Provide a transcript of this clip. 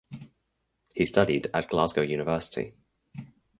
He studied at Glasgow University.